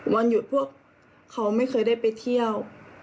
วันหยุดพวกเขาไม่เคยได้ไปเที่ยว